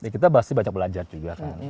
kita pasti banyak belajar juga kan